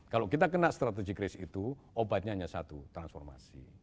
kalau kita kena strategic risk itu obatnya hanya satu transformasi